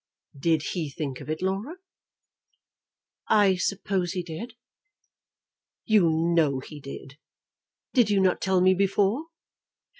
"Did he think of it, Laura?" "I suppose he did." "You know he did. Did you not tell me before?"